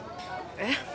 えっ？